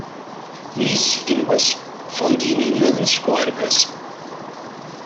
Mi i izeggen wass, ffɣen-d yinelmaden seg uɣerbaz.